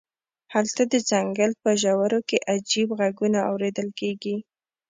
هلته د ځنګل په ژورو کې عجیب غږونه اوریدل کیږي